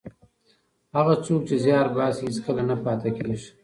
هغه څوک چې زیار باسي هېڅکله نه پاتې کېږي.